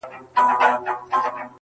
شاهدان كه د چا ډېر وه د ظلمونو،